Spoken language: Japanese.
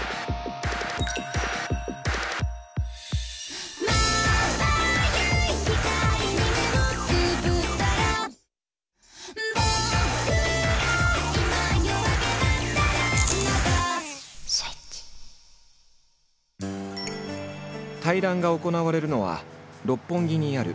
対談が行われるのは六本木にあるとあるビル。